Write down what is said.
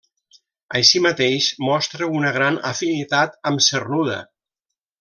Així mateix, mostra una gran afinitat amb Cernuda.